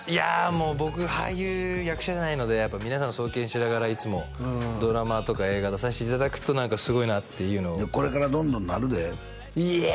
もう僕俳優役者じゃないので皆さんを尊敬しながらいつもドラマとか映画出させていただくと何かすごいなっていうのこれからどんどんなるでいや